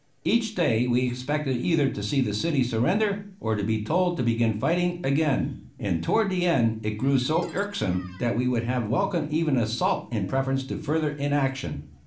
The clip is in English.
Each day we expected either to see the city surrender, or to be told to begin fighting again, and toward the end it grew so irksome that we would have welcomed even an assault in preference to further inaction.